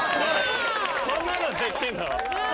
そんなのできんの？